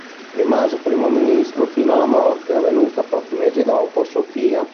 Rimase Primo Ministro fino alla morte, avvenuta pochi mesi dopo a Sofia.